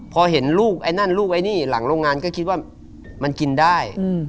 พอเห็นลูกไอ้นั่นลูกไอ้นี่หลังโรงงานก็คิดว่ามันกินได้